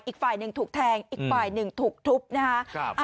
อีกฝ่ายหนึ่งถูกแทงอีกฝ่ายหนึ่งถูกทุบนะครับ